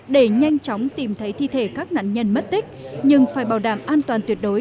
để nhanh chóng tìm thấy thi thể các nạn nhân mất tích nhưng phải bảo đảm an toàn tuyệt đối